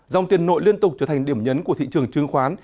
dòng tiền nội liên tục trở thành điểm nhấn của thị trường chứng khoán